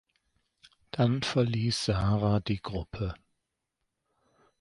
Dann verließ Sara die Gruppe.